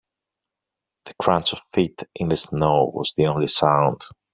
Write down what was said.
The crunch of feet in the snow was the only sound.